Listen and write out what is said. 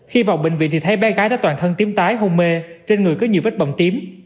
khi vào bệnh viện thì thấy bé gái đã toàn thân tím tái hôn mê trên người có nhiều vết bầm tím